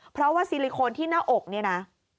เพราะว่าซิลิโคนที่หน้าอกเนี่ยนะ